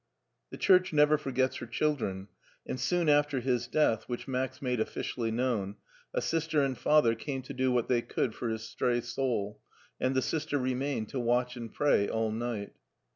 The Church never forgets her children, and soon after his death, which Max made officially known, a Sister and Father came to do what they could for his stray soul, and the Sister remained to watch and pray all night.